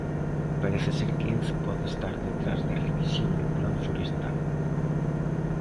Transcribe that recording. Parece ser que Ence pode estar detrás da revisión do Plan forestal.